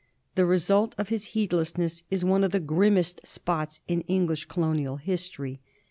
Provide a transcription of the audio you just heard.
The result of his heedlessness is one of the grimmest spots in Eng lish colonial history.